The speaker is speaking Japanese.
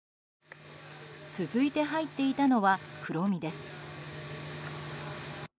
続いて入っていたのは黒味です。